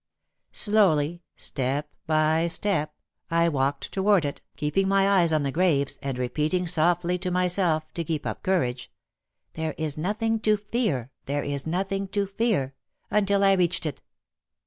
Slowly, step by step, I walked toward it, keeping my eyes on the graves and repeating softly to myself, to keep up courage, "There is nothing to fear; there is nothing to fear," until I reached it.